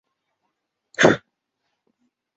向西通过一条虚设的直线与玻利维亚相邻。